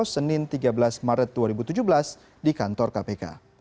senin tiga belas maret dua ribu tujuh belas di kantor kpk